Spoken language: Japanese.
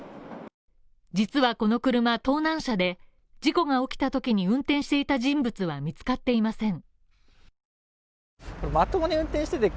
実はこの車、盗難車で事故が起きたときに運転していた人物は見つかっていません。